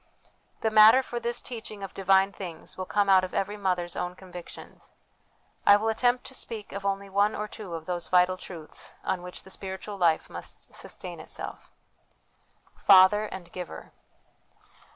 The matter for this teaching of divine things will come out of every mother's own convictions. I will attempt to speak of only one or two of those vital truths on which the spiritual life must sustain itself. Father and Giver.